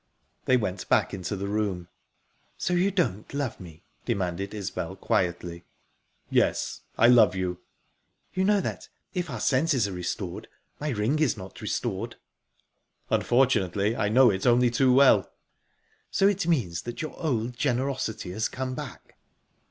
They went back into the room. "So you don't love me?" demanded Isbel quietly. "Yes, I love you." "You know that, if our senses are restored, my ring is not restored?" "Unfortunately, I know it only too well." "So it means that your old generosity has come back?"